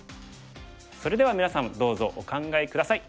それではみなさんどうぞお考え下さい。